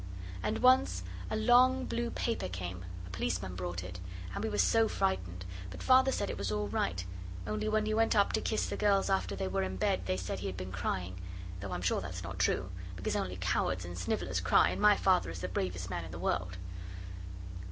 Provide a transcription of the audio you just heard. And once a long, blue paper came; a policeman brought it, and we were so frightened. But Father said it was all right, only when he went up to kiss the girls after they were in bed they said he had been crying, though I'm sure that's not true. Because only cowards and snivellers cry, and my Father is the bravest man in the world.